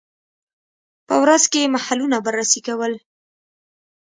په ورځ کې یې محلونه بررسي کول.